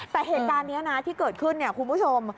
แต่เหตุการณ์นี้นะที่เกิดขึ้นเนี่ยคุณผู้ชม